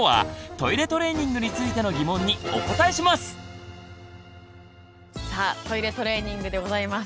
「トイレトレーニング」でございます。